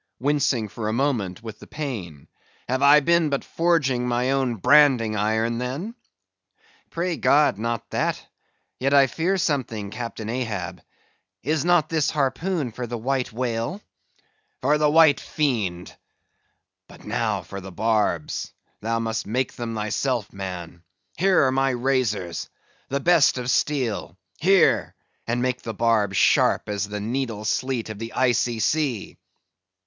wincing for a moment with the pain; "have I been but forging my own branding iron, then?" "Pray God, not that; yet I fear something, Captain Ahab. Is not this harpoon for the White Whale?" "For the white fiend! But now for the barbs; thou must make them thyself, man. Here are my razors—the best of steel; here, and make the barbs sharp as the needle sleet of the Icy Sea."